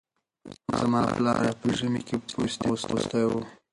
زما پلاره به ژمي کې پوستين اغوستی و